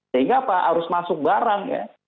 sehingga apa harus masuk barang ya